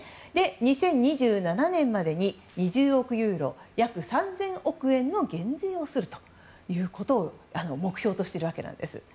２０２７年までに２０億ユーロ約３０００億円の減税をするということを目標としているわけなんです。